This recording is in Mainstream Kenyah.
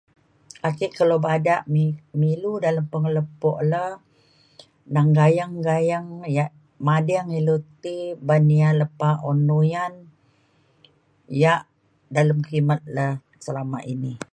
ake kelo bada me me ilu dalem pengelepo le nang gayeng gayeng yak mading ilu ti ban ya lepa un uyan yak dalem kimet le selama ini